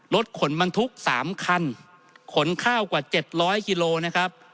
รถขนบรรทุก๓คันขนข้าวกว่า๗๐๐กิโลนะครับ